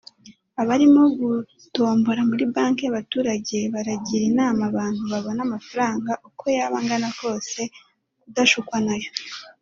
Abarimo gutombora muri Banki y’Abaturage baragira inama abantu babona amafaranga uko yaba angana kose kudashukwa nayo